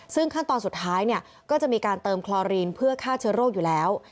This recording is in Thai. ซึ่งขั้นตอนสุดท้ายก็จะมีการเติมคลอรีนเพื่อฆ่าเชื้อโรคอยู่แล้ว